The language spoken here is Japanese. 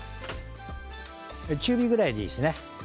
中火ぐらいで、いいですね。